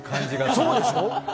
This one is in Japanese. そうでしょ？